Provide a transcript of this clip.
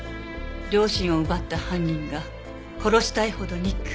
両親を奪った犯人が殺したいほど憎い。